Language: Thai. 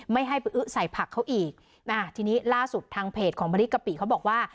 ไม่ให้ไปอื้อใส่ผักเขาอีกอ่าทีนี้ล่าสุดทางเพจของมะลิกะปิเขาบอกว่า